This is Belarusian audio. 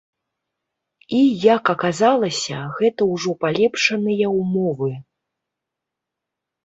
І, як аказалася, гэта ўжо палепшаныя ўмовы!